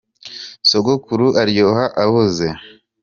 Sogokuru aryoha aboze.